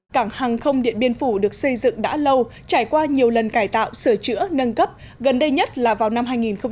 cảng hàng không điện biên phủ được xây dựng đã lâu trải qua nhiều lần cải tạo sửa chữa nâng cấp gần đây nhất là vào năm hai nghìn hai mươi